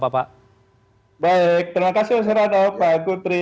baik terima kasih mas serhanov pak kudri